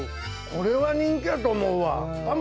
これは人気やと思うわ。